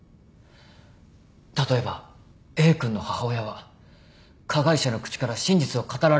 例えばＡ君の母親は加害者の口から真実を語られるのを望んでいるのです。